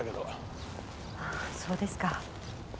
ああそうですか。